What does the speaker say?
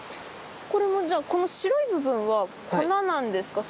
これもじゃあこの白い部分は粉なんですか？